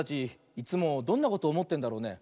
いつもどんなことおもってんだろうね。